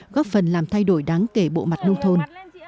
góp phần làm thay đổi đáng kể bộ mặt nông thôn